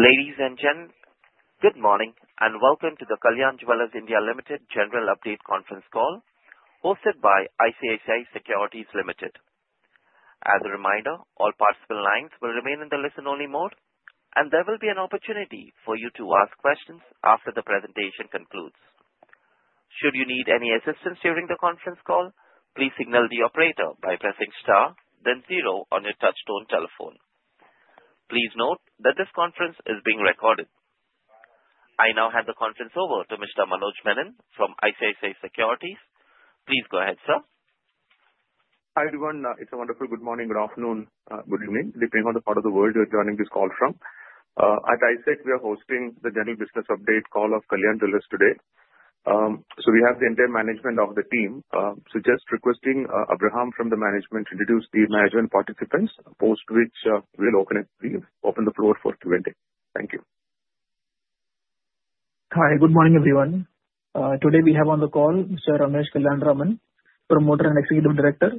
Ladies and gentlemen, good morning and welcome to the Kalyan Jewellers India Limited General Update Conference call hosted by ICICI Securities Limited. As a reminder, all participant lines will remain in the listen-only mode, and there will be an opportunity for you to ask questions after the presentation concludes. Should you need any assistance during the conference call, please signal the operator by pressing star, then zero on your touch-tone telephone. Please note that this conference is being recorded. I now hand the conference over to Mr. Manoj Menon from ICICI Securities. Please go ahead, sir. Hi everyone. It's a wonderful good morning, good afternoon, good evening, depending on the part of the world you're joining this call from. At I-Sec, we are hosting the general business update call of Kalyan Jewellers today. So we have the entire management of the team. So just requesting Abraham from the management to introduce the management participants, post which we'll open the floor for Q&A. Thank you. Hi, good morning everyone. Today we have on the call Mr. Ramesh Kalyanaraman, Promoter and Executive Director.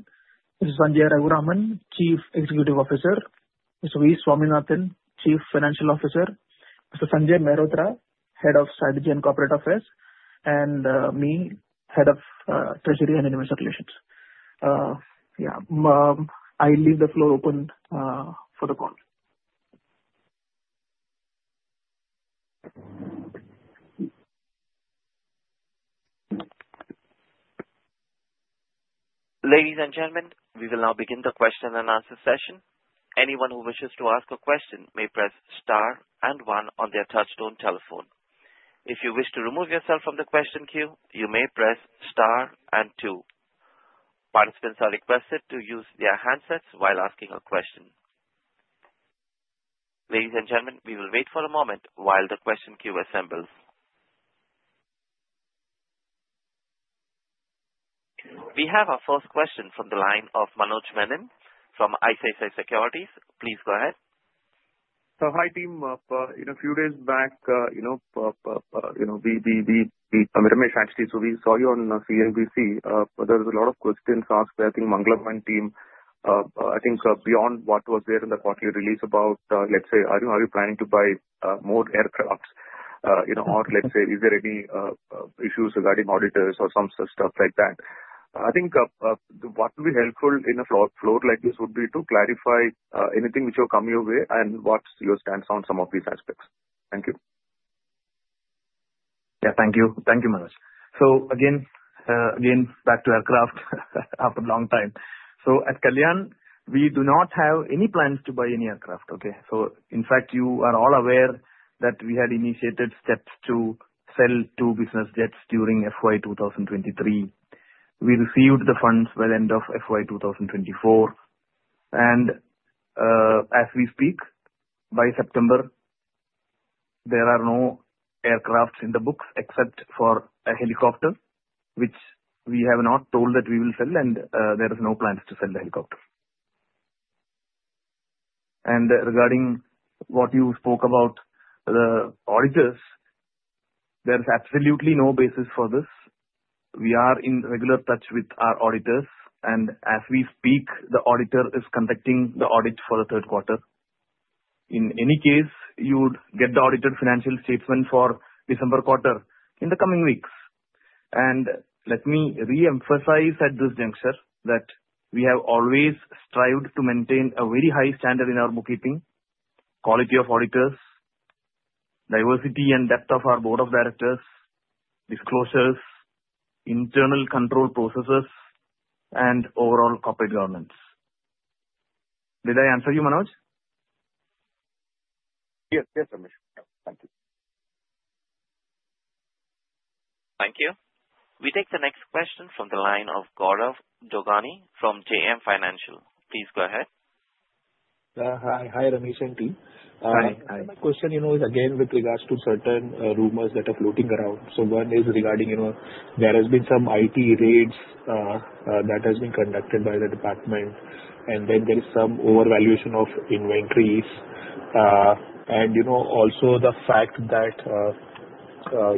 Mr. Sanjay Raghuraman, Chief Executive Officer. Mr. V. Swaminathan, Chief Financial Officer. Mr. Sanjay Mehrotra, Head of Strategy and Corporate Affairs. And me, Head of Treasury and Investor Relations. Yeah, I'll leave the floor open for the call. Ladies and gentlemen, we will now begin the question and answer session. Anyone who wishes to ask a question may press star and one on their touch-tone telephone. If you wish to remove yourself from the question queue, you may press star and two. Participants are requested to use their handsets while asking a question. Ladies and gentlemen, we will wait for a moment while the question queue assembles. We have our first question from the line of Manoj Menon from ICICI Securities. Please go ahead. Hi team. In a few days back, you know, I mean, Ramesh actually, so we saw you on CNBC. There was a lot of questions asked, I think, by the Mangalam team. I think beyond what was there in the quarterly release about, let's say, are you planning to buy more aircrafts? You know, or let's say, is there any issues regarding auditors or some stuff like that? I think what would be helpful in a forum like this would be to clarify anything which will come your way and what's your stance on some of these aspects. Thank you. Yeah, thank you. Thank you, Manoj. So again, again, back to aircraft after a long time. So at Kalyan, we do not have any plans to buy any aircraft, okay? So in fact, you are all aware that we had initiated steps to sell two business jets during FY 2023. We received the funds by the end of FY 2024. And as we speak, by September, there are no aircraft in the books except for a helicopter, which we have not told that we will sell, and there are no plans to sell the helicopter. And regarding what you spoke about the auditors, there is absolutely no basis for this. We are in regular touch with our auditors, and as we speak, the auditor is conducting the audit for the third quarter. In any case, you would get the audited financial statement for December quarter in the coming weeks. Let me re-emphasize at this juncture that we have always strived to maintain a very high standard in our bookkeeping, quality of auditors, diversity and depth of our board of directors, disclosures, internal control processes, and overall corporate governance. Did I answer you, Manoj? Yes, yes, Ramesh. Thank you. Thank you. We take the next question from the line of Gaurav Jogani from JM Financial. Please go ahead. Hi, Ramesh and team. Hi. My question, you know, is again with regards to certain rumors that are floating around. So one is regarding, you know, there has been some IT raids that have been conducted by the department, and then there is some overvaluation of inventories. And, you know, also the fact that,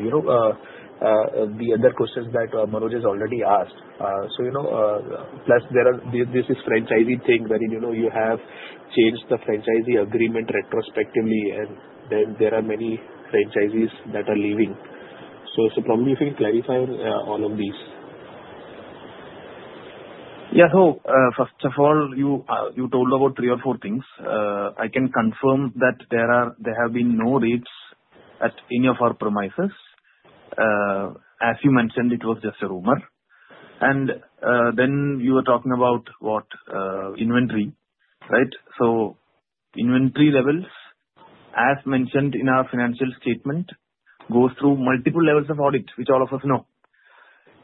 you know, the other questions that Manoj has already asked. So, you know, plus there are, this is a franchisee thing wherein, you know, you have changed the franchisee agreement retrospectively, and then there are many franchisees that are leaving. So probably if you can clarify all of these? Yeah, so first of all, you told about three or four things. I can confirm that there are, there have been no raids at any of our premises. As you mentioned, it was just a rumor. And then you were talking about what inventory, right? So inventory levels, as mentioned in our financial statement, go through multiple levels of audit, which all of us know.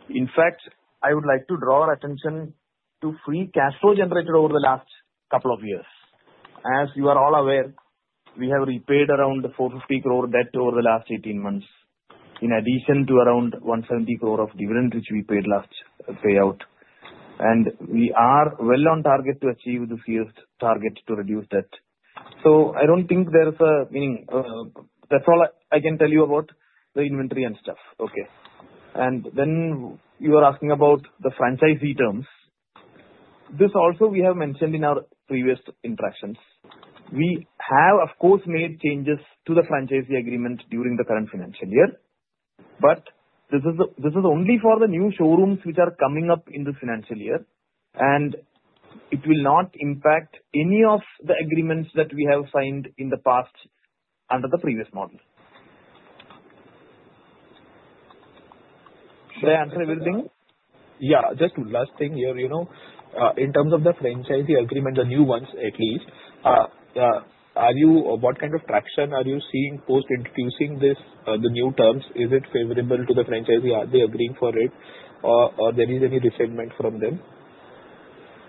In fact, I would like to draw attention to free cash flow generated over the last couple of years. As you are all aware, we have repaid around 450 crore debt over the last 18 months, in addition to around 170 crore of dividend which we paid last payout. And we are well on target to achieve the FY target to reduce debt. So I don't think there's a, meaning, that's all I can tell you about the inventory and stuff, okay? And then you are asking about the franchisee terms. This also we have mentioned in our previous interactions. We have, of course, made changes to the franchisee agreement during the current financial year, but this is only for the new showrooms which are coming up in the financial year, and it will not impact any of the agreements that we have signed in the past under the previous model. Did I answer everything? Yeah, just one last thing here, you know, in terms of the franchisee agreement, the new ones at least, are you, what kind of traction are you seeing post introducing this, the new terms? Is it favorable to the franchisee? Are they agreeing for it? Or there is any resentment from them?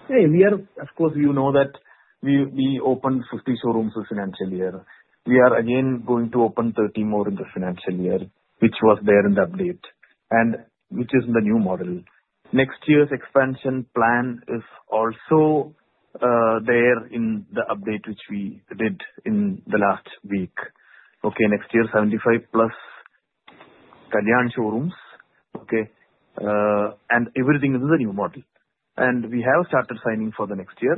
Hey, we are, of course, you know that we opened 50 showrooms this financial year. We are again going to open 30 more in the financial year, which was there in the update, and which is the new model. Next year's expansion plan is also there in the update which we did in the last week. Okay, next year, 75 plus Kalyan showrooms, okay? Everything is in the new model. We have started signing for the next year,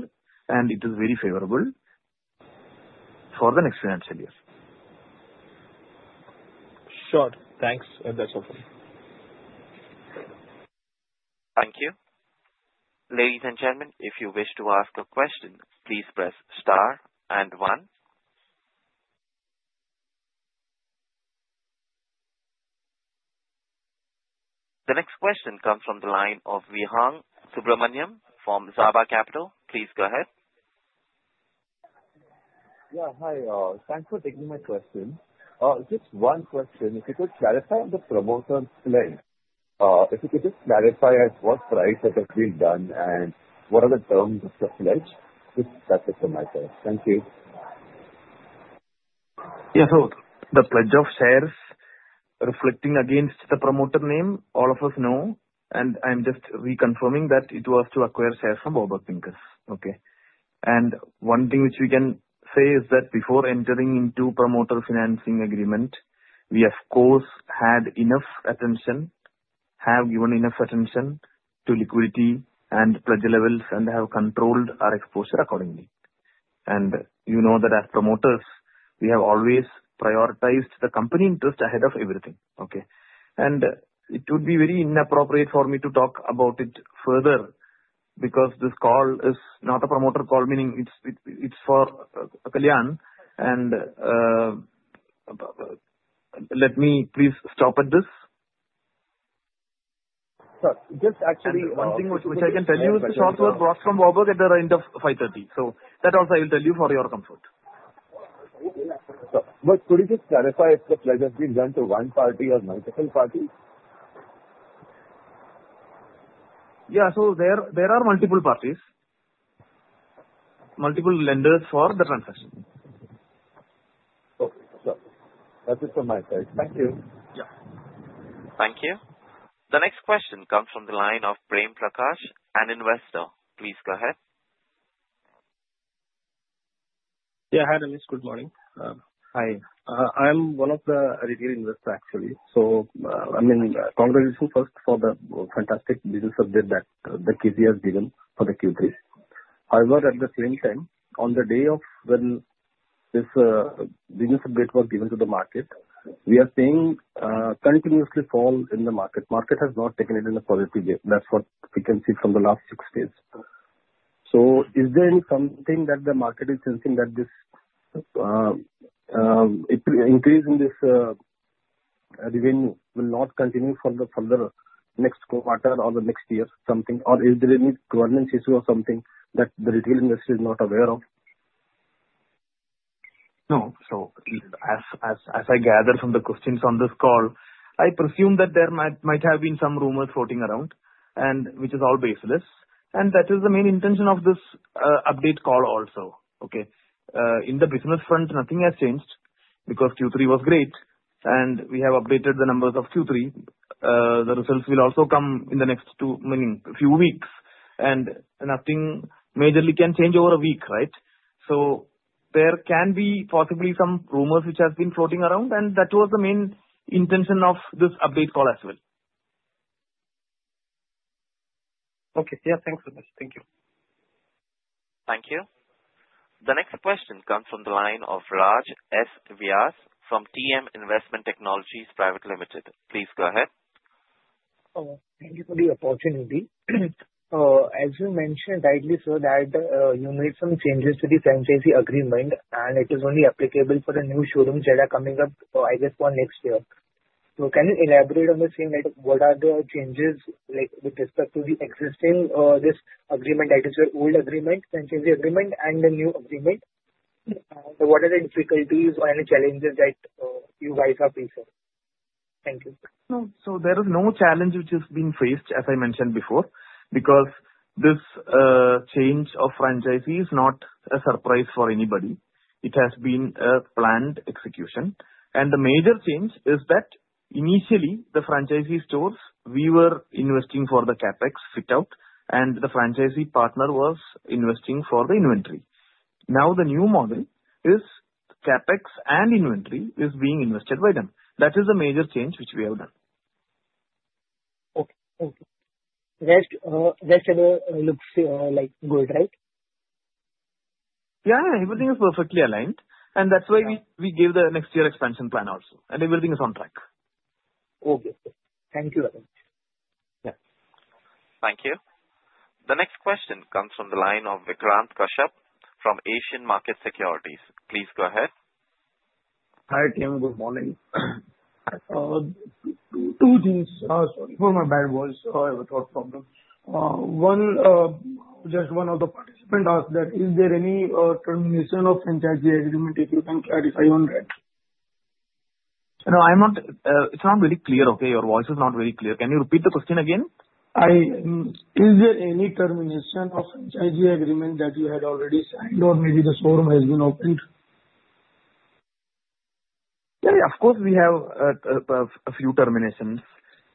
and it is very favorable for the next financial year. Sure. Thanks, and that's all from me. Thank you. Ladies and gentlemen, if you wish to ask a question, please press star and one. The next question comes from the line of Vihang Subramaniam from Zaaba Capital. Please go ahead. Yeah, hi. Thanks for taking my question. Just one question. If you could clarify on the promoter pledge, if you could just clarify at what price it has been done and what are the terms of the pledge, that's it from my side. Thank you. Yeah, so the pledge of shares reflecting against the promoter name, all of us know, and I'm just reconfirming that it was to acquire shares from Warburg Pincus, okay? And one thing which we can say is that before entering into promoter financing agreement, we of course have given enough attention to liquidity and pledge levels, and have controlled our exposure accordingly. And you know that as promoters, we have always prioritized the company interest ahead of everything, okay? And it would be very inappropriate for me to talk about it further because this call is not a promoter call, meaning it's for Kalyan, and let me please stop at this. Sure. Just actually one thing which I can tell you is the shares were brought from Warburg Pincus at the rate of 5:30. So that also I will tell you for your comfort. Could you just clarify if the pledge has been done to one party or multiple parties? Yeah, so there are multiple parties, multiple lenders for the transaction. Okay, sure. That's it from my side. Thank you. Yeah. Thank you. The next question comes from the line of Prem Prakash, an investor. Please go ahead. Yeah, hi Ramesh. Good morning. Hi. I am one of the retail investors, actually. So I mean, congratulations first for the fantastic business update that the company has given for the Q3. However, at the same time, on the day when this business update was given to the market, we are seeing a continuous fall in the market. The market has not taken it in a positive way. That's what we can see from the last six days. So is there something that the market is sensing that this increase in this revenue will not continue for the next quarter or the next year? Something, or is there any governance issue or something that the retail investor is not aware of? No. So as I gather from the questions on this call, I presume that there might have been some rumors floating around, which is all baseless. And that is the main intention of this update call also, okay? In the business front, nothing has changed because Q3 was great, and we have updated the numbers of Q3. The results will also come in the next few weeks, and nothing majorly can change over a week, right? So there can be possibly some rumors which have been floating around, and that was the main intention of this update call as well. Okay. Yeah, thanks, Ramesh. Thank you. Thank you. The next question comes from the line of Raj Vyas from TM Investment Technologies Private Limited. Please go ahead. Thank you for the opportunity. As you mentioned rightly, sir, that you made some changes to the franchisee agreement, and it is only applicable for the new showrooms that are coming up, I guess, for next year. So can you elaborate on the same? What are the changes with respect to the existing agreement? That is your old agreement, franchisee agreement, and the new agreement? And what are the difficulties or any challenges that you guys are facing? Thank you. So there is no challenge which is being faced, as I mentioned before, because this change of franchisee is not a surprise for anybody. It has been a planned execution. And the major change is that initially, the franchisee stores, we were investing for the CapEx fit out, and the franchisee partner was investing for the inventory. Now the new model is CapEx and inventory is being invested by them. That is the major change which we have done. Okay. Okay. That looks like good, right? Yeah, everything is perfectly aligned, and that's why we gave the next year expansion plan also, and everything is on track. Okay. Thank you very much. Yeah. Thank you. The next question comes from the line of Vikrant Kashyap from Asian Markets Securities. Please go ahead. Hi team. Good morning. Two things. Sorry for my bad voice. I have a throat problem. One, just one of the participants asked that, is there any termination of franchisee agreement if you can clarify on that? No, I'm not, it's not very clear, okay? Your voice is not very clear. Can you repeat the question again? Is there any termination of franchisee agreement that you had already signed, or maybe the showroom has been opened? Yeah, of course we have a few terminations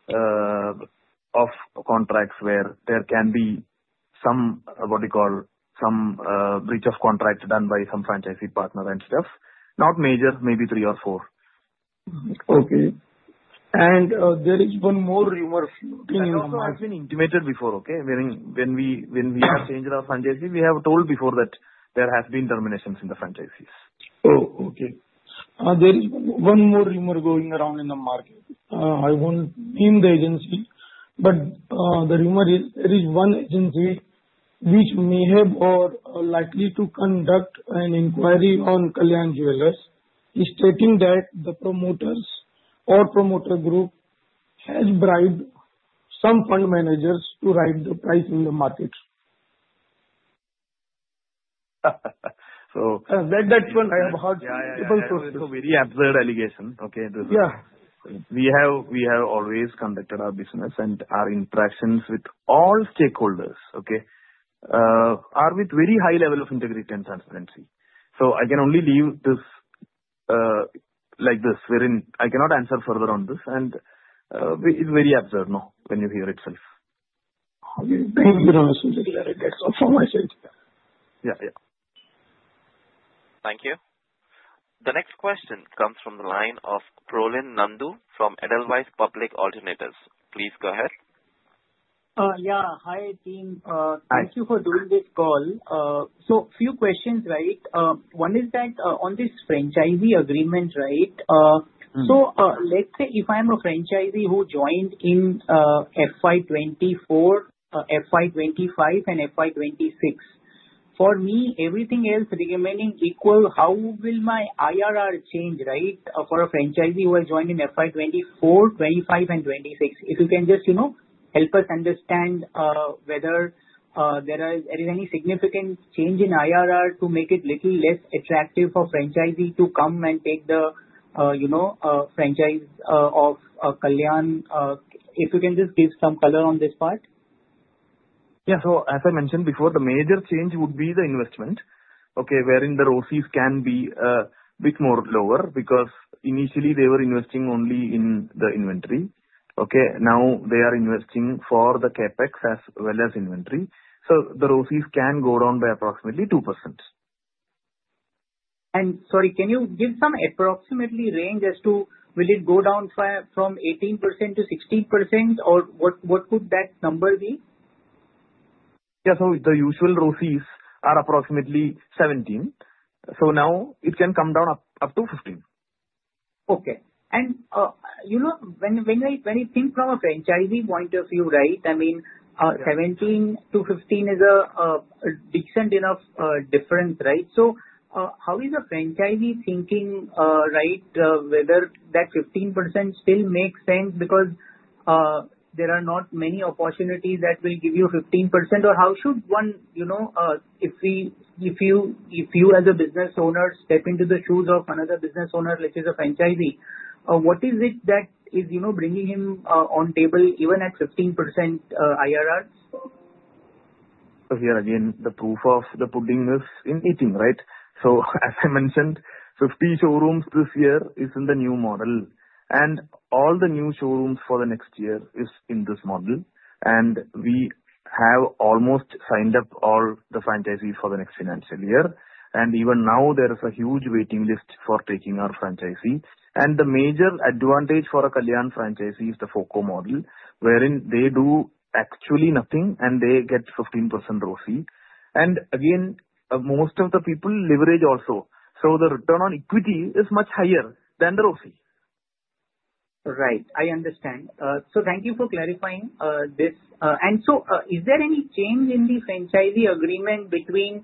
of contracts where there can be some, what do you call, some breach of contract done by some franchisee partner and stuff. Not major, maybe three or four. Okay, and there is one more rumor floating in the mind. This has been intimated before, okay? Meaning when we have changed our franchisee, we have told before that there have been terminations in the franchisees. Oh, okay. There is one more rumor going around in the market. I won't name the agency, but the rumor is there is one agency which may have or likely to conduct an inquiry on Kalyan Jewellers, stating that the promoters or promoter group has bribed some fund managers to raise the price in the market. So that one I have heard people sources. Yeah, it's a very absurd allegation, okay? Yeah. We have always conducted our business and our interactions with all stakeholders, okay, are with very high level of integrity and transparency. So I can only leave this like this. I cannot answer further on this, and it's very absurd, no, when you hear itself. Thank you, Ramesh. That's all from my side. Yeah, yeah. Thank you. The next question comes from the line of Parin Nandu from Edelweiss Public Alternatives. Please go ahead. Yeah. Hi team. Thank you for doing this call. So a few questions, right? One is that on this franchisee agreement, right? So let's say if I'm a franchisee who joined in FY24, FY25, and FY26, for me, everything else remaining equal, how will my IRR change, right, for a franchisee who has joined in FY24, 25, and 26? If you can just, you know, help us understand whether there is any significant change in IRR to make it a little less attractive for franchisee to come and take the, you know, franchise of Kalyan, if you can just give some color on this part? Yeah. So as I mentioned before, the major change would be the investment, okay, wherein the ROSIs can be a bit more lower because initially they were investing only in the inventory, okay? Now they are investing for the CapEx as well as inventory. So the ROSIs can go down by approximately 2%. Sorry, can you give some approximately range as to will it go down from 18% to 16%, or what could that number be? Yeah, so the usual ROSIs are approximately 17. So now it can come down up to 15. Okay. And you know, when you think from a franchisee point of view, right, I mean, 17%-15% is a decent enough difference, right? So how is a franchisee thinking, right, whether that 15% still makes sense because there are not many opportunities that will give you 15%, or how should one, you know, if you as a business owner step into the shoes of another business owner which is a franchisee, what is it that is, you know, bringing him on table even at 15% IRR? So here again, the proof of the pudding is in eating, right? So as I mentioned, 50 showrooms this year is in the new model. And all the new showrooms for the next year is in this model. And we have almost signed up all the franchisees for the next financial year. And even now there is a huge waiting list for taking our franchise. And the major advantage for a Kalyan franchisee is the FOCO model, wherein they do actually nothing and they get 15% ROSI. And again, most of the people leverage also. So the return on equity is much higher than the ROSI. Right. I understand. So thank you for clarifying this. And so is there any change in the franchisee agreement between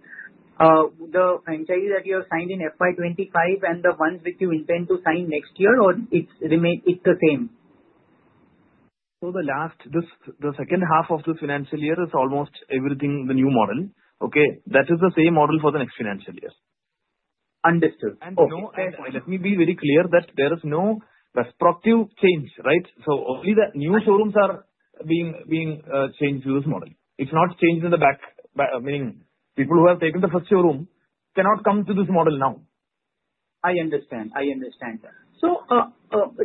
the franchisee that you have signed in FY25 and the ones which you intend to sign next year, or it's the same? So the last, the second half of the financial year is almost everything the new model, okay? That is the same model for the next financial year. Understood. No, let me be very clear that there is no prospective change, right? So only the new showrooms are being changed to this model. It's not changed in the back, meaning people who have taken the first showroom cannot come to this model now. I understand. I understand. So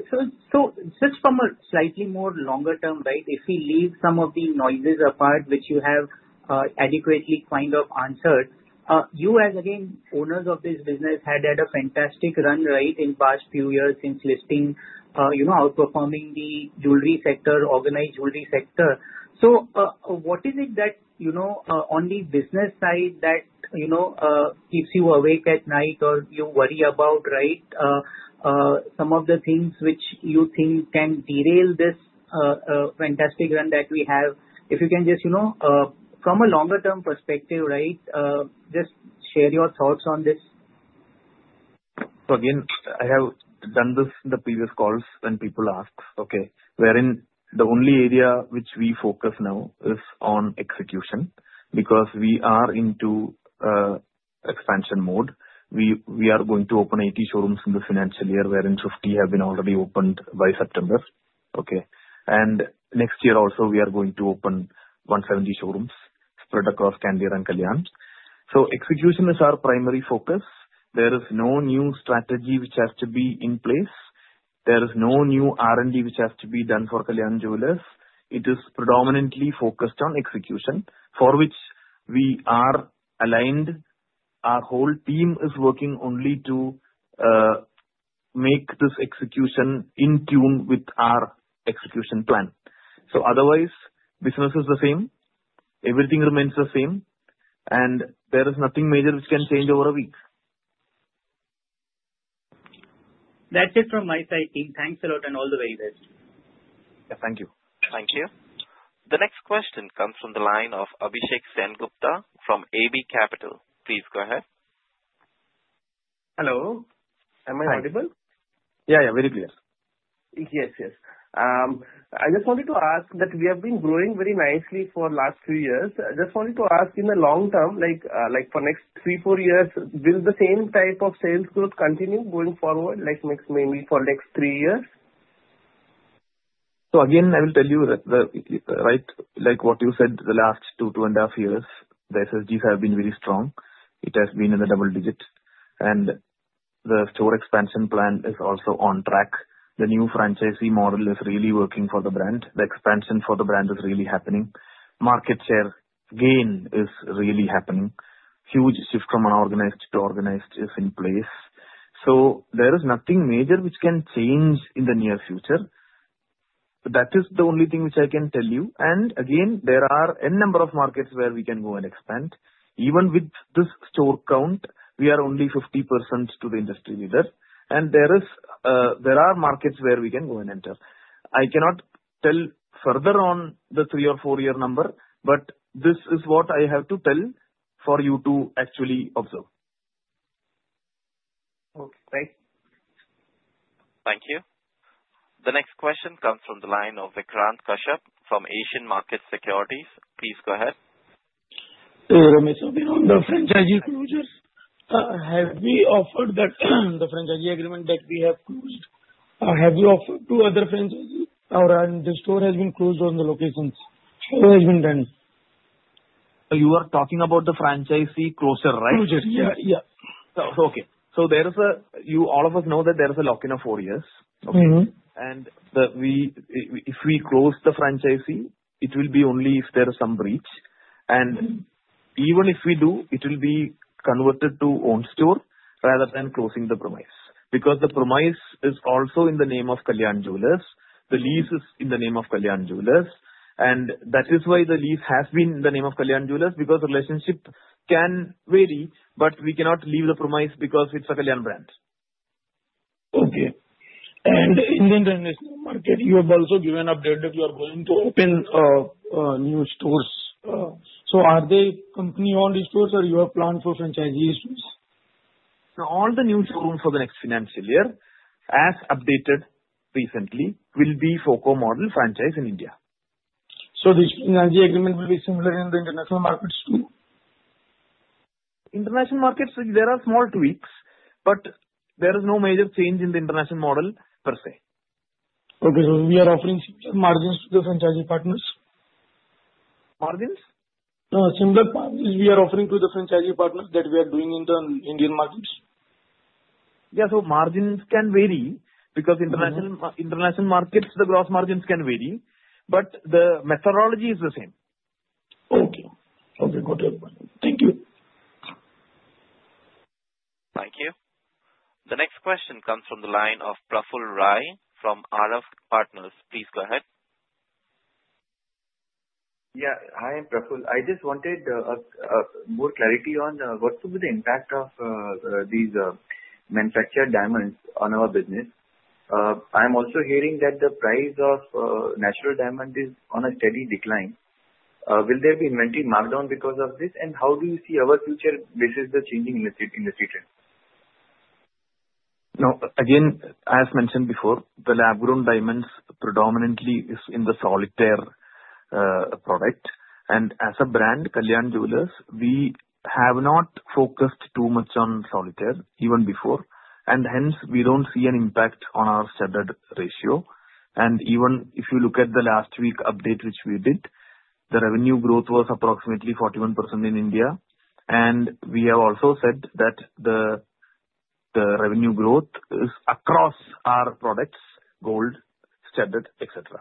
just from a slightly more longer term, right, if we leave some of the noises apart, which you have adequately kind of answered, you as again owners of this business had had a fantastic run, right, in the past few years since listing, you know, outperforming the jewelry sector, organized jewelry sector. So what is it that, you know, on the business side that, you know, keeps you awake at night or you worry about, right, some of the things which you think can derail this fantastic run that we have? If you can just, you know, from a longer term perspective, right, just share your thoughts on this. Again, I have done this in the previous calls when people ask, okay, wherein the only area which we focus now is on execution because we are into expansion mode. We are going to open 80 showrooms in the financial year, wherein 50 have been already opened by September, okay? Next year also we are going to open 170 showrooms spread across Candere and Kalyan. Execution is our primary focus. There is no new strategy which has to be in place. There is no new R&D which has to be done for Kalyan Jewellers. It is predominantly focused on execution, for which we are aligned. Our whole team is working only to make this execution in tune with our execution plan. Otherwise, business is the same. Everything remains the same. There is nothing major which can change over a week. That's it from my side, team. Thanks a lot and all the very best. Yeah, thank you. Thank you. The next question comes from the line of Abhishek Sengupta from AB Capital. Please go ahead. Hello. Am I audible? Yeah, yeah. Very clear. Yes, yes. I just wanted to ask that we have been growing very nicely for the last few years. I just wanted to ask in the long term, like for next three, four years, will the same type of sales growth continue going forward, like maybe for the next three years? So again, I will tell you that, right, like what you said, the last two, two and a half years, the SSGs have been very strong. It has been in the double digits, and the store expansion plan is also on track. The new franchisee model is really working for the brand. The expansion for the brand is really happening. Market share gain is really happening. Huge shift from unorganized to organized is in place, so there is nothing major which can change in the near future. That is the only thing which I can tell you, and again, there are a number of markets where we can go and expand. Even with this store count, we are only 50% to the industry leader, and there are markets where we can go and enter. I cannot tell further on the three or four-year number, but this is what I have to tell for you to actually observe. Okay. Right. Thank you. The next question comes from the line of Vikrant Kashyap from Asian Market Securities. Please go ahead. Hey, Ramesh. So beyond the franchisee closures, have we offered that the franchisee agreement that we have closed, have we offered to other franchisees or the store has been closed on the locations? What has been done? You are talking about the franchisee closure, right? Closure, yeah. Yeah. Okay. So there is a, all of us know that there is a lock-in of four years, okay? And if we close the franchisee, it will be only if there is some breach. And even if we do, it will be converted to own store rather than closing the premises. Because the premises is also in the name of Kalyan Jewellers. The lease is in the name of Kalyan Jewellers. And that is why the lease has been in the name of Kalyan Jewellers, because the relationship can vary, but we cannot leave the premises because it's a Kalyan brand. Okay. And in the international market, you have also given update that you are going to open new stores. So are they company-owned stores or you have planned for franchisee stores? So all the new showrooms for the next financial year, as updated recently, will be FOCO model franchise in India. So the franchisee agreement will be similar in the international markets too? International markets, there are small tweaks, but there is no major change in the international model per se. Okay. So we are offering similar margins to the franchisee partners? Margins? No, similar margins we are offering to the franchisee partners that we are doing in the Indian markets. Yeah. So margins can vary because international markets, the gross margins can vary, but the methodology is the same. Okay. Okay. Got it. Thank you. Thank you. The next question comes from the line of Prafull Rai from Partners. Please go ahead. Yeah. Hi, Prafull. I just wanted more clarity on what would be the impact of these manufactured diamonds on our business. I'm also hearing that the price of natural diamond is on a steady decline. Will there be inventory markdown because of this, and how do you see our future basis of changing industry trends? No, again, as mentioned before, the lab-grown diamonds predominantly is in the solitaire product. And as a brand, Kalyan Jewellers, we have not focused too much on solitaire even before. And hence, we don't see an impact on our studded ratio. And even if you look at the last week update which we did, the revenue growth was approximately 41% in India. And we have also said that the revenue growth is across our products, gold, studded, etc.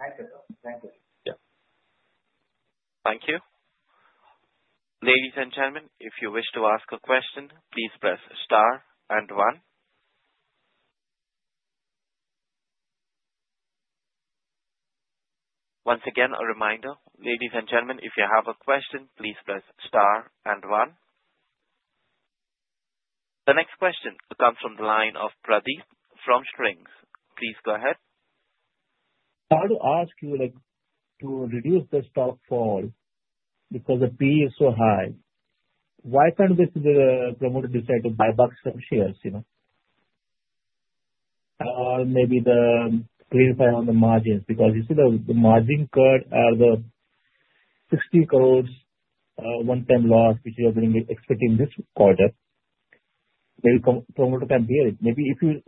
Okay. Thank you. Thank you. Yeah. Thank you. Ladies and gentlemen, if you wish to ask a question, please press star and one. Once again, a reminder, ladies and gentlemen, if you have a question, please press star and one. The next question comes from the line of Pradeep from Springs. Please go ahead. I want to ask you, like to reduce the stockfall because the PE is so high. Why can't the promoter decide to buy back some shares, you know? Or maybe the cleanup on the margins because you see the margin cut or the 60 crore one-time loss which you are expecting this quarter. Maybe promoter can bear it. Maybe if you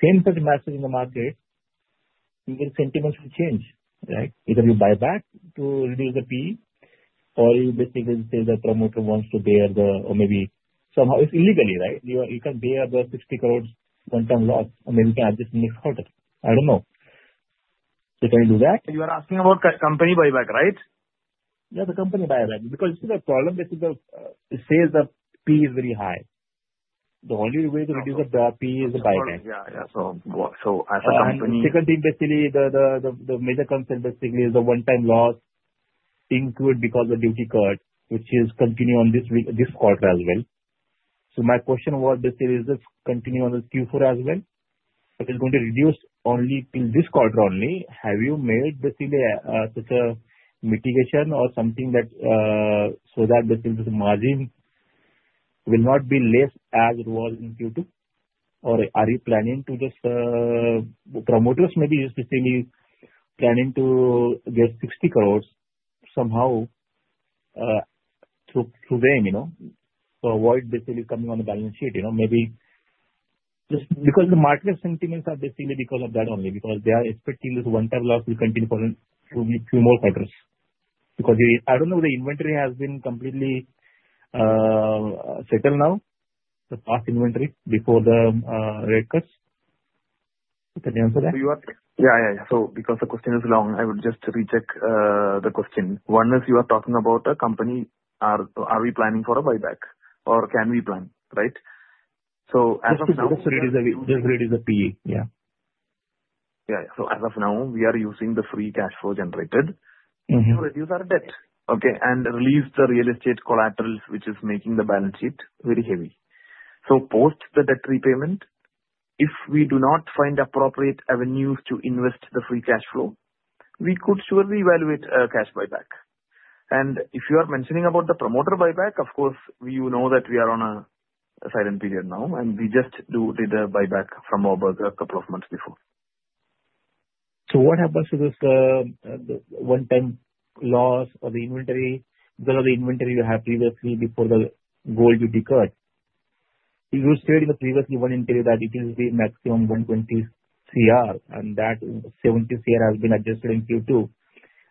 send such a message in the market, you get sentimental change, right? Either you buy back to reduce the PE, or you basically say the promoter wants to bear the, or maybe somehow it's illegally, right? You can bear the 60 crore one-time loss, or maybe you can add this in the next quarter. I don't know. So can you do that? You are asking about company buyback, right? Yeah, the company buyback. Because you see the problem, basically, it says the PE is very high. The only way to reduce the PE is the buyback. Right. Yeah, yeah. So as a company. And secondly, basically, the major concern basically is the one-time loss incurred because of the duty cut, which is continuing on this quarter as well. So my question was basically, is this continuing on the Q4 as well? If it's going to reduce only till this quarter only, have you made basically such a mitigation or something that so that basically the margin will not be less as it was in Q2? Or are you planning to just promoters maybe just basically planning to get 60 crores somehow through them, you know, to avoid basically coming on the balance sheet, you know? Maybe just because the market sentiments are basically because of that only, because they are expecting this one-time loss will continue for a few more quarters. Because I don't know if the inventory has been completely settled now, the past inventory before the rate cuts. Can you answer that? So because the question is long, I would just recheck the question. One is you are talking about a company, are we planning for a buyback or can we plan, right? So as of now. This rate is a PE. Yeah. Yeah, yeah. So as of now, we are using the free cash flow generated to reduce our debt, okay? And release the real estate collaterals which is making the balance sheet very heavy. So post the debt repayment, if we do not find appropriate avenues to invest the free cash flow, we could surely evaluate a cash buyback. And if you are mentioning about the promoter buyback, of course, you know that we are on a silent period now, and we just did a buyback from Warburg Pincus a couple of months before. So what happens to this one-time loss or the inventory because of the inventory you have previously before the gold duty cut? You stated previously in one period that it is the maximum 120 CR, and that 70 CR has been adjusted in Q2,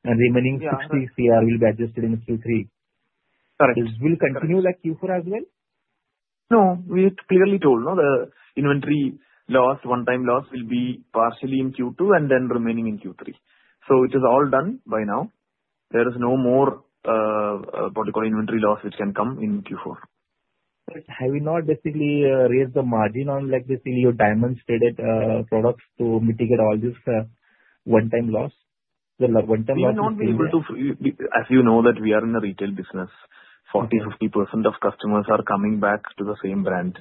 and remaining 60 CR will be adjusted in Q3. Correct. Will it continue like Q4 as well? No, we clearly told no, the inventory loss, one-time loss will be partially in Q2 and then remaining in Q3. So it is all done by now. There is no more what you call inventory loss which can come in Q4. Have you not basically raised the margin on like basically your diamond-traded products to mitigate all this one-time loss? The one-time loss is not. We will not be able to, as you know, that we are in a retail business. 40%-50% of customers are coming back to the same brand.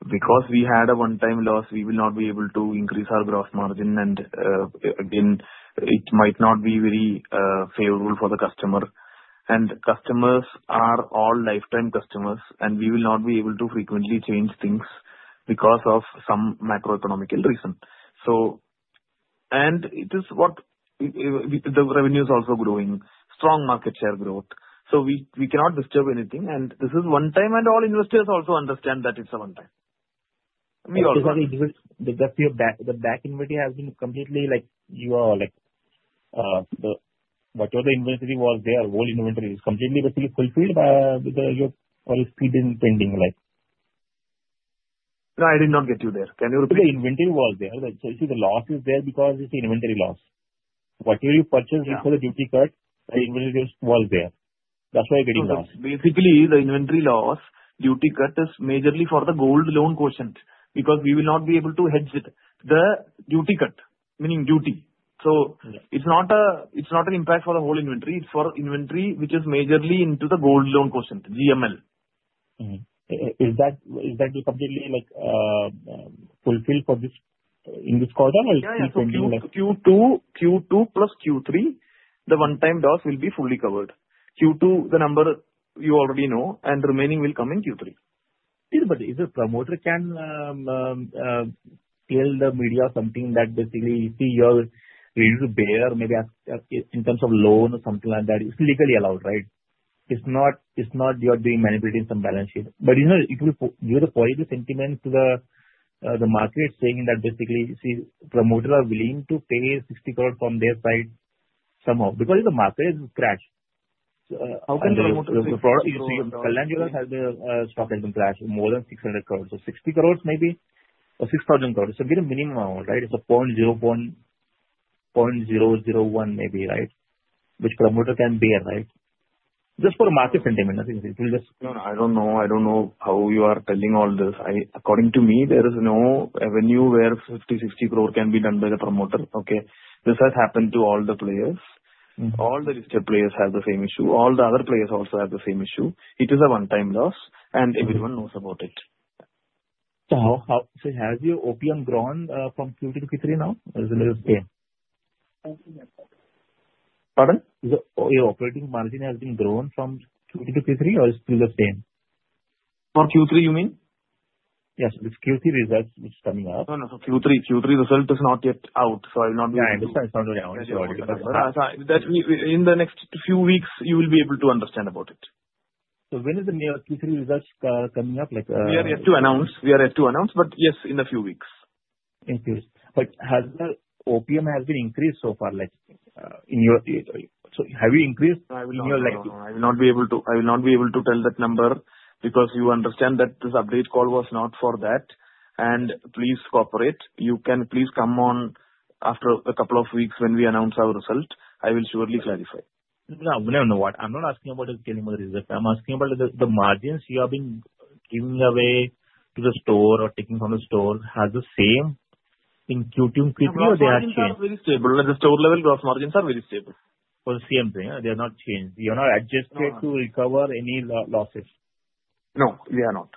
Because we had a one-time loss, we will not be able to increase our gross margin, and again, it might not be very favorable for the customer. And customers are all lifetime customers, and we will not be able to frequently change things because of some macroeconomic reason. So, and it is what the revenue is also growing, strong market share growth. So we cannot disturb anything, and this is one-time, and all investors also understand that it's a one-time. Okay, so the back inventory has been completely, like, whatever the inventory was there, gold inventory is completely basically fulfilled by yours, or is still pending like? No, I did not get you there. Can you repeat? The inventory was there. So you see the loss is there because it's the inventory loss. Whatever you purchased before the duty cut, the inventory was there. That's why you're getting loss. Basically, the inventory loss, duty cut is majorly for the gold loan portion because we will not be able to hedge it. The duty cut, meaning duty. So it's not an impact for the whole inventory. It's for inventory which is majorly into the gold loan portion, GML. Is that completely like fulfilled for this quarter or it's still pending like? Yeah, it's still pending. Q2, Q2 plus Q3, the one-time loss will be fully covered. Q2, the number you already know, and remaining will come in Q3. Is it promoter can tell the media something that basically, see, you're ready to bear maybe in terms of loan or something like that? It's legally allowed, right? It's not you're doing manipulating some balance sheet. But you know, you have to forge the sentiment to the market saying that basically, see, promoters are willing to pay 60 crores from their side somehow because the market is crash. How can the promoters? The Kalyan Jewellers stock has crashed more than 600 crores. So 60 crores maybe or 6,000 crores. So get a minimum amount, right? It's a 0.001 maybe, right? Which promoter can bear, right? Just for market sentiment, nothing else. It will just. No, I don't know. I don't know how you are telling all this. According to me, there is no avenue where 50-60 crore can be done by the promoter, okay? This has happened to all the players. All the retail players have the same issue. All the other players also have the same issue. It is a one-time loss, and everyone knows about it. So has your OPM grown from Q2 to Q3 now or is it still the same? Pardon? Your operating margin has been grown from Q2 to Q3 or it's still the same? For Q3, you mean? Yes. Q3 results which is coming out. No, no, no. Q3. Q3 result is not yet out, so I will not be able to. Yeah, I understand. I found out. In the next few weeks, you will be able to understand about it. So when is the Q3 results coming up? We are yet to announce, but yes, in a few weeks. In a few weeks. But has the OPM been increased so far, like in your so have you increased in your likelihood? I will not be able to tell that number because you understand that this update call was not for that, and please cooperate. You can please come on after a couple of weeks when we announce our result. I will surely clarify. No, no, no. I'm not asking about the Kalyan results. I'm asking about the margins you have been giving away to the store or taking from the store. Has the same in Q2 and Q3 or they are changed? Margins are very stable. The store level gross margins are very stable. For the same thing, they are not changed. You are not adjusted to recover any losses? No, we are not.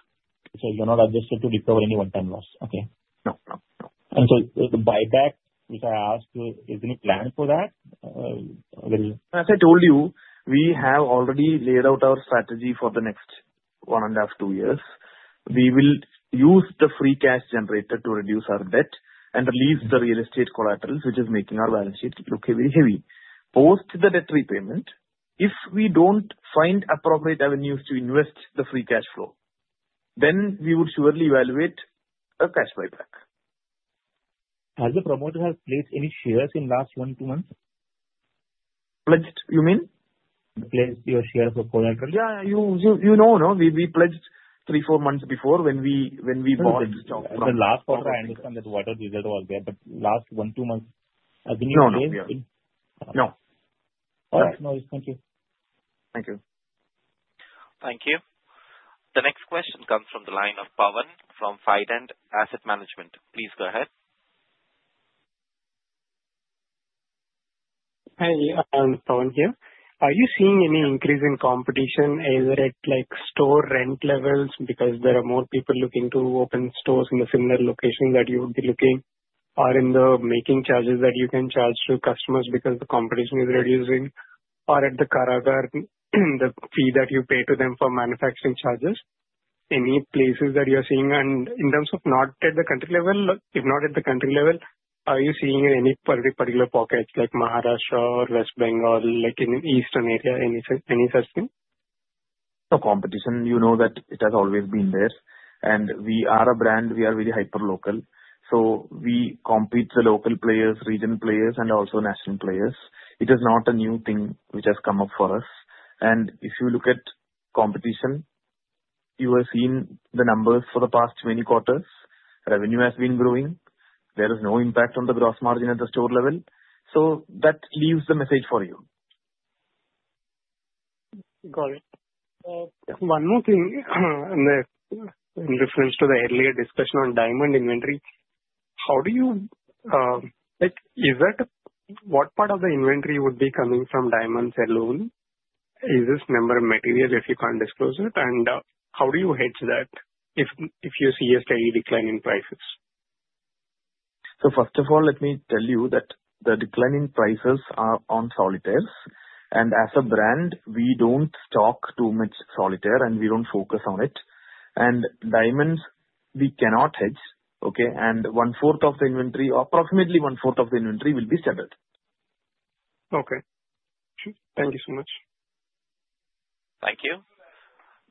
You are not adjusted to recover any one-time loss, okay? No, no, no. And so the buyback, which I asked you, is there any plan for that? As I told you, we have already laid out our strategy for the next one and a half, two years. We will use the free cash generator to reduce our debt and release the real estate collaterals which is making our balance sheet look very heavy. Post the debt repayment, if we don't find appropriate avenues to invest the free cash flow, then we would surely evaluate a cash buyback. Has the promoter pledged any shares in the last one to two months? Pledged, you mean? Pledged your shares of collateral. Yeah, you know, no, we pledged three, four months before when we bought the stock. The last quarter, I understand that whatever result was there, but last one to two months, has anything changed? No, no. No. All right. No, thank you. Thank you. Thank you. The next question comes from the line of Pawan from Fident Asset Management. Please go ahead. Hi, Pawan here. Are you seeing any increase in competition either at store rent levels because there are more people looking to open stores in the similar locations that you would be looking, or in the making charges that you can charge to customers because the competition is reducing, or at the karigar, the fee that you pay to them for manufacturing charges? Any places that you are seeing? In terms of not at the country level, if not at the country level, are you seeing any particular pockets like Maharashtra or West Bengal, like in the eastern area, any such thing? So competition, you know that it has always been there. And we are a brand, we are very hyper-local. So we compete with the local players, region players, and also national players. It is not a new thing which has come up for us. And if you look at competition, you have seen the numbers for the past many quarters. Revenue has been growing. There is no impact on the gross margin at the store level. So that leaves the message for you. Got it. One more thing in reference to the earlier discussion on diamond inventory. How do you like is that what part of the inventory would be coming from diamonds alone? Is this material if you can't disclose it? And how do you hedge that if you see a steady decline in prices? First of all, let me tell you that the declining prices are on solitaire. And as a brand, we don't stock too much solitaire, and we don't focus on it. And diamonds, we cannot hedge, okay? And one-fourth of the inventory, approximately one-fourth of the inventory will be studded. Okay. Thank you so much. Thank you.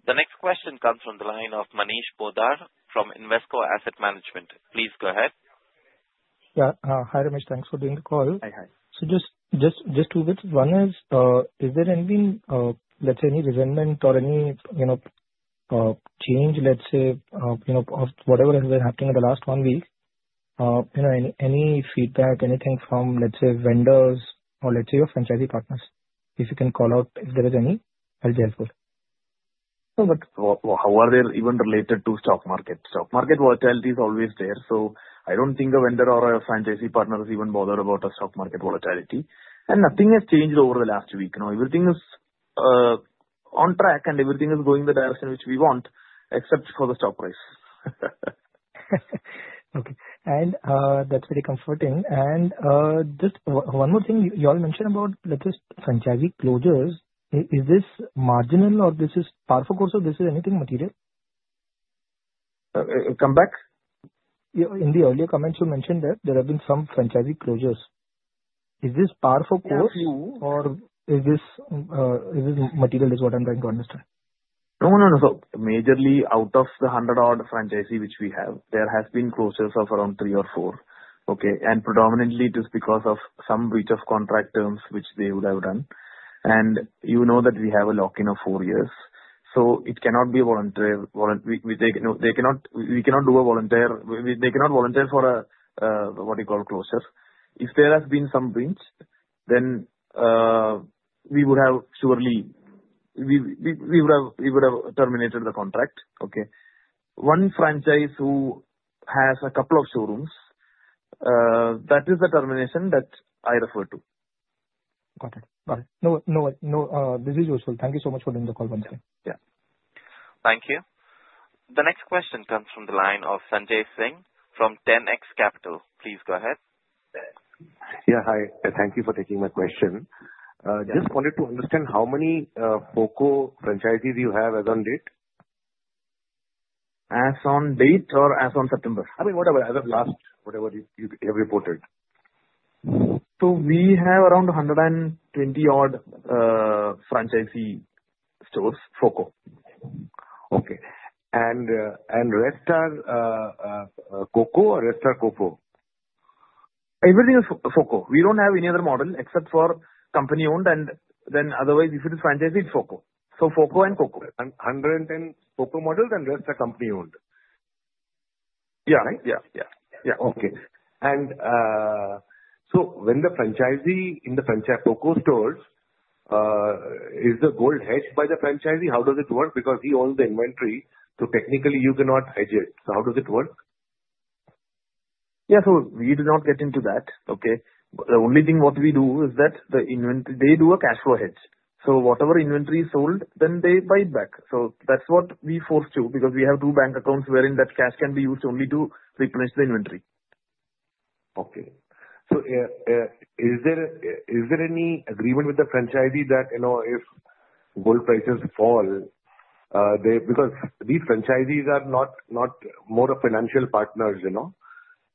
The next question comes from the line of Manish Poddar from Invesco Asset Management. Please go ahead. Yeah. Hi, Ramesh. Thanks for doing the call. Hi, hi. So just two bits. One is, is there any, let's say, any resentment or any change, let's say, of whatever has been happening in the last one week? Any feedback, anything from, let's say, vendors or, let's say, your franchisee partners? If you can call out if there is any, I'll be helpful. How are they even related to stock market? Stock market volatility is always there. So I don't think a vendor or a franchisee partner is even bothered about a stock market volatility. And nothing has changed over the last week. Everything is on track, and everything is going in the direction which we want, except for the stock price. Okay. And that's very comforting. And just one more thing, you all mentioned about, let's say, franchisee closures. Is this marginal or this is par for course, or this is anything material? Come back. In the earlier comments, you mentioned that there have been some franchisee closures. Is this par for the course, or is this material what I'm trying to understand? No, no, no. So majorly out of the 100-odd franchisee which we have, there have been closures of around three or four, okay? And predominantly, it is because of some breach of contract terms which they would have done. And you know that we have a lock-in of four years. So it cannot be voluntary. We cannot do a voluntary they cannot volunteer for a what you call closure. If there has been some breach, then we would have surely we would have terminated the contract, okay? One franchise who has a couple of showrooms, that is the termination that I refer to. Got it. Got it. No worries. No, this is useful. Thank you so much for doing the call, Manish. Yeah. Thank you. The next question comes from the line of Sanjay Singh from 10X Capital. Please go ahead. Yeah, hi. Thank you for taking my question. Just wanted to understand how many FOCO franchisees you have as on date? As on date or as on September? I mean, whatever, as of last, whatever you have reported. We have around 120-odd franchisee stores, FOCO. Okay. And rest are COCO or rest are COCO? Everything is FOCO. We don't have any other model except for company-owned, and then otherwise, if it is franchisee, it's FOCO. So FOCO and COCO. 110 FOCO models, and rest are company-owned. Yeah. Right? Yeah, yeah, yeah. Okay. And so when the franchisee in the FOCO stores, is the gold hedged by the franchisee? How does it work? Because he owns the inventory, so technically, you cannot hedge it. So how does it work? Yeah, so we do not get into that, okay? The only thing what we do is that they do a cash flow hedge. So whatever inventory is sold, then they buy it back. So that's what we force to because we have two bank accounts wherein that cash can be used only to replenish the inventory. Okay. So is there any agreement with the franchisee that if gold prices fall, because these franchisees are not more of financial partners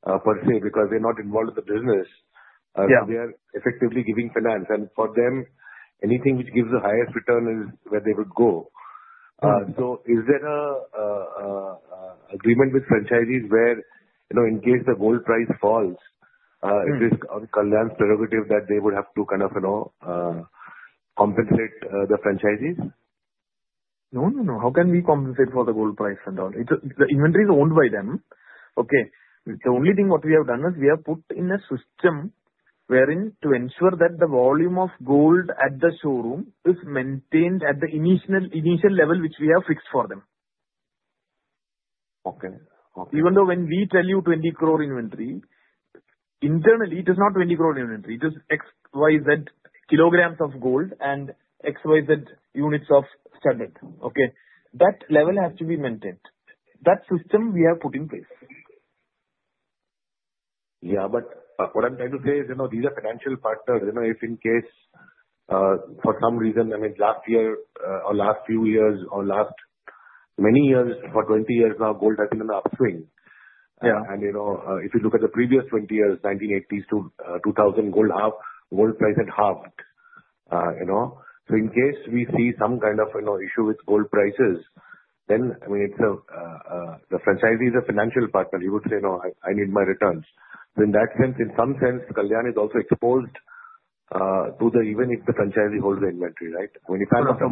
per se because they're not involved in the business, they are effectively giving finance. And for them, anything which gives the highest return is where they would go. So is there an agreement with franchisees where, in case the gold price falls, it is on Kalyan's prerogative that they would have to kind of compensate the franchisees? No, no, no. How can we compensate for the gold price? The inventory is owned by them. Okay. The only thing what we have done is we have put in a system wherein to ensure that the volume of gold at the showroom is maintained at the initial level which we have fixed for them. Okay, okay. Even though when we tell you 20 crore inventory, internally, it is not 20 crore inventory. It is XYZ kilograms of gold and XYZ units of studded. Okay? That level has to be maintained. That system we have put in place. Yeah, but what I'm trying to say is these are financial partners. If in case for some reason, I mean, last year or last few years or last many years, for 20 years now, gold has been in the upswing. And if you look at the previous 20 years, 1980s to 2000, gold price had halved. So in case we see some kind of issue with gold prices, then I mean, the franchisee is a financial partner. He would say, "No, I need my returns." So in that sense, in some sense, Kalyan is also exposed to the even if the franchisee holds the inventory, right? I mean, if I look at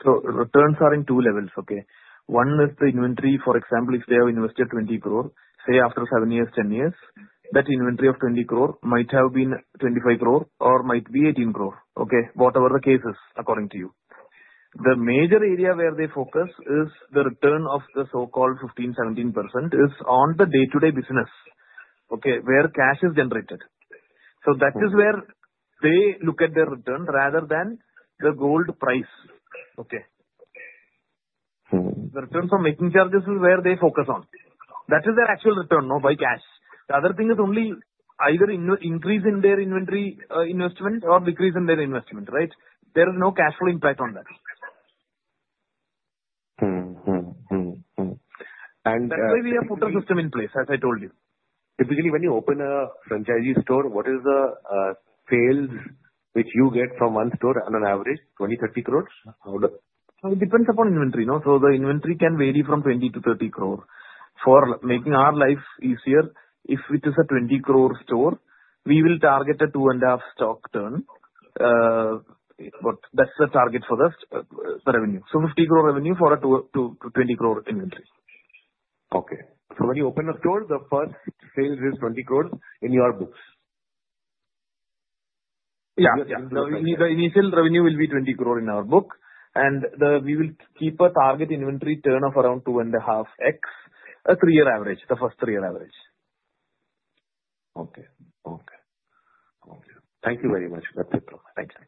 the. Returns are in two levels, okay? One is the inventory, for example, if they have invested 20 crore, say after 7 years, 10 years, that inventory of 20 crore might have been 25 crore or might be 18 crore, okay? Whatever the case is, according to you. The major area where they focus is the return of the so-called 15%-17% is on the day-to-day business, okay, where cash is generated. That is where they look at their return rather than the gold price, okay? The returns from making charges is where they focus on. That is their actual return by cash. The other thing is only either increase in their inventory investment or decrease in their investment, right? There is no cash flow impact on that. That's why we have put a system in place, as I told you. Typically, when you open a franchisee store, what is the sales which you get from one store on an average, 20-30 crore? It depends upon inventory. So the inventory can vary from 20-30 crore. For making our life easier, if it is a 20-crore store, we will target a two-and-a-half stock turn. But that's the target for the revenue. So 50-crore revenue for a 20-crore inventory. Okay. When you open a store, the first sales is 20 crores in your books? Yeah. The initial revenue will be 20 crore in our book, and we will keep a target inventory turn of around two-and-a-half X, a three-year average, the first three-year average. Okay, okay. Thank you very much. That's it. Thank you.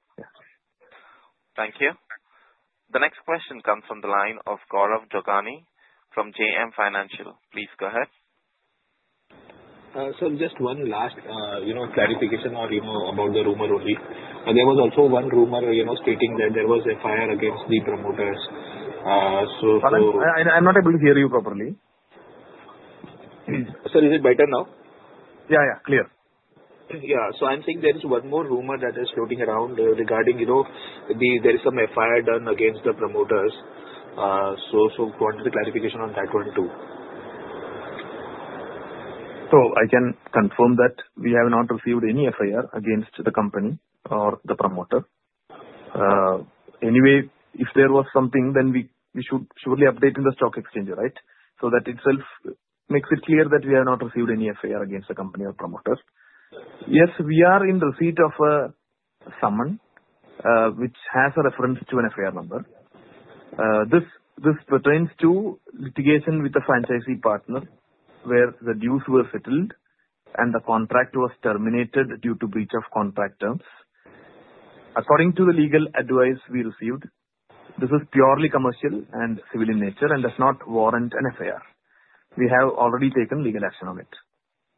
Thank you. The next question comes from the line of Gaurav Jogani from JM Financial. Please go ahead. So just one last clarification about the rumor only. There was also one rumor stating that there was a FIR against the promoters. So. I'm not able to hear you properly. Sorry, is it better now? Yeah, yeah. Clear. Yeah. So I'm saying there is one more rumor that is floating around regarding there is some FIR done against the promoters. So I wanted a clarification on that one too. I can confirm that we have not received any FIR against the company or the promoter. Anyway, if there was something, then we should surely update in the stock exchange, right? So that itself makes it clear that we have not received any FIR against the company or promoters. Yes, we are in receipt of a summons which has a reference to an FIR number. This pertains to litigation with the franchisee partner where the dues were settled and the contract was terminated due to breach of contract terms. According to the legal advice we received, this is purely commercial and civil in nature and does not warrant an FIR. We have already taken legal action on it.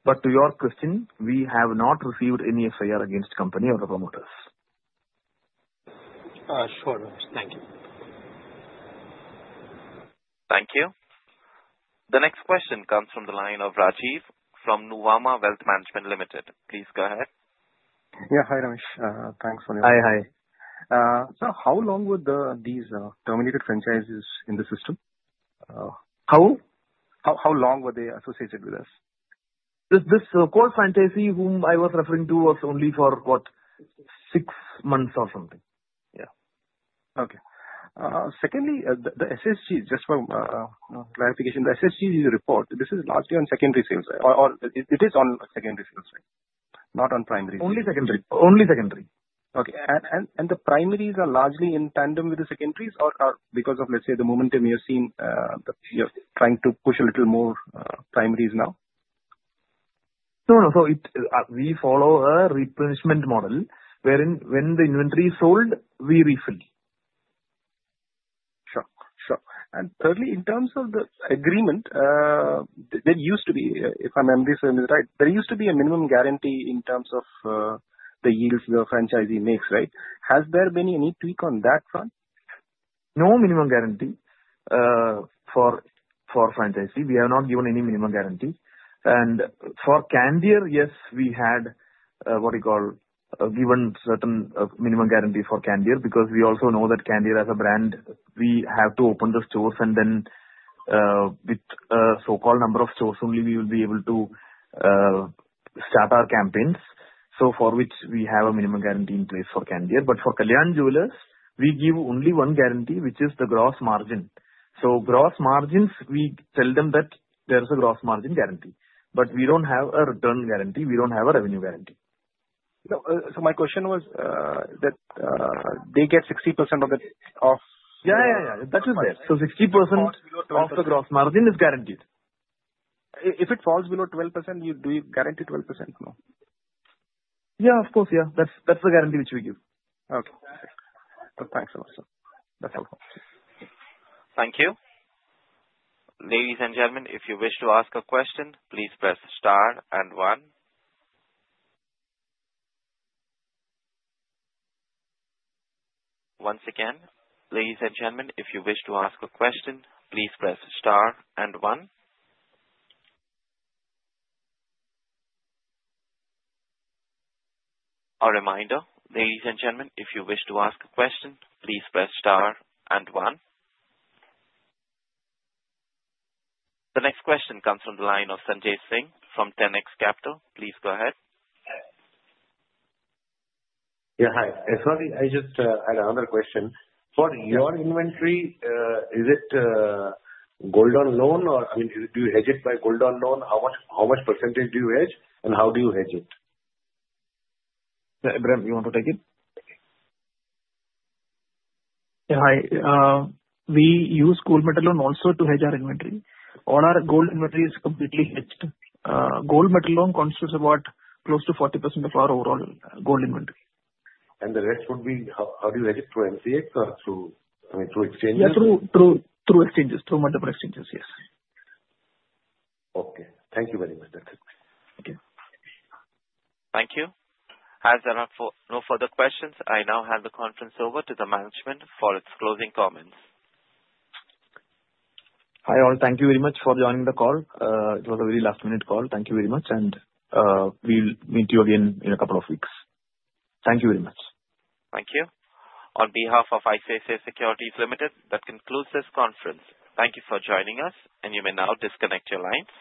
But to your question, we have not received any FIR against the company or the promoters. Sure. Thank you. Thank you. The next question comes from the line of Rajiv from Nuvama Wealth Management Limited. Please go ahead. Yeah, hi, Ramesh. Thanks for the. Hi, hi. So how long were these terminated franchisees in the system? How? How long were they associated with us? This core franchisee whom I was referring to was only for what, six months or something. Yeah. Okay. Secondly, the SSG, just for clarification, the SSG report, this is largely on secondary sales, right? Or it is on secondary sales, right? Not on primary sales. Only secondary. Only secondary. Okay. And the primaries are largely in tandem with the secondaries or because of, let's say, the momentum you've seen, you're trying to push a little more primaries now? No, no. So we follow a replenishment model wherein when the inventory is sold, we refill. Sure, sure. And thirdly, in terms of the agreement, there used to be, if I'm remembering this right, there used to be a minimum guarantee in terms of the yields the franchisee makes, right? Has there been any tweak on that front? No minimum guarantee for franchisee. We have not given any minimum guarantee. For Candere, yes, we had what you call given certain minimum guarantee for Candere because we also know that Candere as a brand, we have to open the stores and then with a so-called number of stores only we will be able to start our campaigns. For which we have a minimum guarantee in place for Candere. For Kalyan Jewellers, we give only one guarantee, which is the gross margin. Gross margins, we tell them that there is a gross margin guarantee. We don't have a return guarantee. We don't have a revenue guarantee. So my question was that they get 60% of the. Yeah, yeah, yeah. That is there. So 60% of the gross margin is guaranteed. If it falls below 12%, do you guarantee 12%? Yeah, of course. Yeah. That's the guarantee which we give. Okay. Thanks so much. That's helpful. Thank you. Ladies and gentlemen, if you wish to ask a question, please press star and one. Once again, ladies and gentlemen, if you wish to ask a question, please press star and one. A reminder, ladies and gentlemen, if you wish to ask a question, please press star and one. The next question comes from the line of Sanjay Singh from 10X Capital. Please go ahead. Yeah, hi. Sorry, I just had another question. For your inventory, is it gold on loan or I mean, do you hedge it by gold on loan? How much percentage do you hedge and how do you hedge it? Abraham, you want to take it? Yeah, hi. We use gold metal loan also to hedge our inventory. All our gold inventory is completely hedged. Gold metal loan constitutes about close to 40% of our overall gold inventory. The rest would be how do you hedge it? Through MCX or through, I mean, through exchanges? Yeah, through exchanges. Through multiple exchanges, yes. Okay. Thank you very much. That's it. Thank you. Thank you. As there are no further questions, I now hand the conference over to the management for its closing comments. Hi, all. Thank you very much for joining the call. It was a very last-minute call. Thank you very much, and we'll meet you again in a couple of weeks. Thank you very much. Thank you. On behalf of ICICI Securities Limited, that concludes this conference. Thank you for joining us, and you may now disconnect your lines.